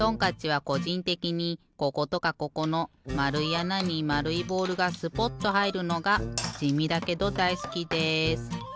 はこじんてきにこことかここのまるいあなにまるいボールがスポッとはいるのがじみだけどだいすきです。